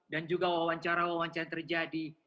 dan juga wawancara wawancara yang terjadi